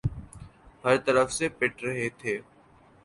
ہر طرف سے پٹ رہے تھے۔